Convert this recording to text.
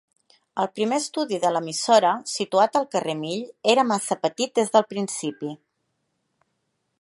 El primer estudi de l'emissora situat al carrer Mill era massa petit des del principi.